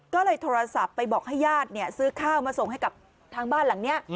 ก็เลยโทรศัพท์ไปบอกให้ญาติซื้อข้าวมาส่งให้กับทางบ้านหลังนี้